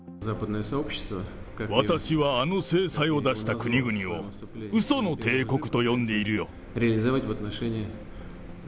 私はあの制裁を出した国々をうその帝国と呼んでいるよ。